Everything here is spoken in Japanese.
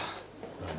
何？